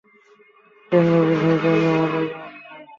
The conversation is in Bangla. টেরাং বোঝাই পয়নামা লইয়া আইবে ।